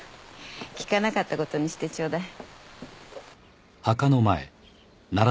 聞かなかったことにしてちょうだい。